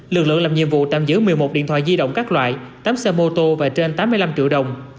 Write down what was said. lực lượng làm nhiệm vụ tạm giữ một mươi một điện thoại di động các loại tám xe mô tô và trên tám mươi năm triệu đồng